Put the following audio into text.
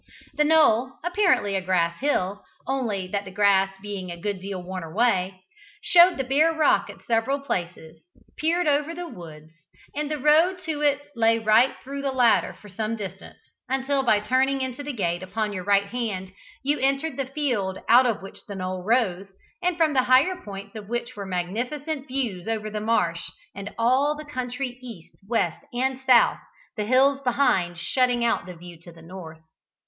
The knoll apparently a grass hill, only that the grass being a good deal worn away, showed the bare rock at several places peered over the woods, and the road to it lay right through the latter for some distance, until by turning into a gate upon your right hand, you entered the field out of which the knoll rose, and from the higher points of which were magnificent views over the Marsh and all the country east, west, and south, the hills behind shutting out the view to the north.